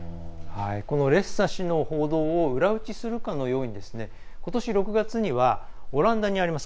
このレッサ氏の報道を裏打ちするかのようにことし６月にはオランダにあります